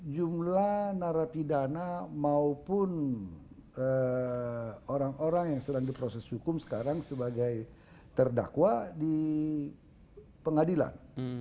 jumlah narapidana maupun orang orang yang sedang diproses hukum sekarang sebagai terdakwa di pengadilan